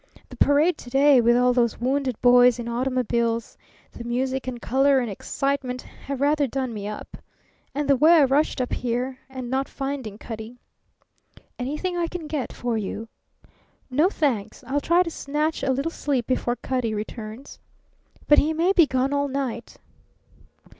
The parade to day, with all those wounded boys in automobiles, the music and colour and excitement have rather done me up. And the way I rushed up here. And not finding Cutty " "Anything I can get for you?" "No, thanks. I'll try to snatch a little sleep before Cutty returns." "But he may be gone all night!"